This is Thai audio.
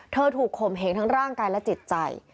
ถูกข่มเหงทั้งร่างกายและจิตใจ